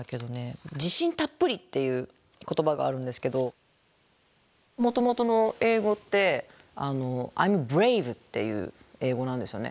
「じしんたっぷり！」っていう言葉があるんですけどもともとの英語って「Ｉ’ｍｂｒａｖｅ」っていう英語なんですよね。